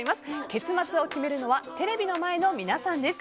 結末を決めるのはテレビの前の皆さんです。